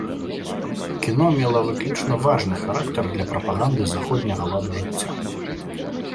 Кіно мела выключна важны характар для прапаганды заходняга ладу жыцця.